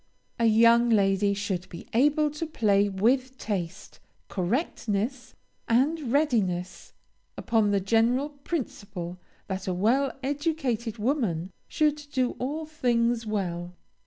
A young lady should be able to play with taste, correctness, and readiness, upon the general principle that a well educated woman should do all things well.